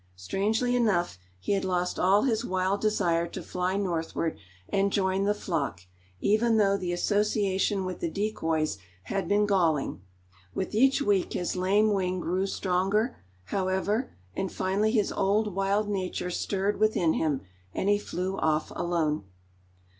Strangely enough, he had lost all his wild desire to fly northward and join the flock, even though the association with the decoys had been galling. With each week his lame wing grew stronger, however, and finally his old, wild nature stirred within him, and he flew off alone.